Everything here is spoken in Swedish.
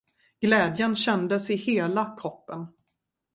Glädjen kändes i hela kroppen.